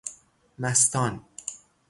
مستان